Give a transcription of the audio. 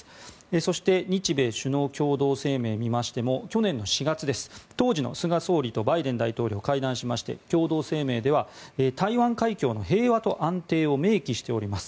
そして日米首脳共同声明を見ましても去年の４月、当時の菅総理とバイデン大統領が会談しまして、共同声明では台湾海峡の平和と安定を明記しております。